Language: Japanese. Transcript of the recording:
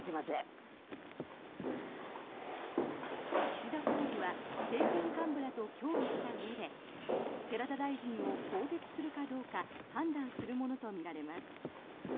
岸田総理は政権幹部らと協議したうえで寺田大臣を更迭するかどうか判断するものとみられます。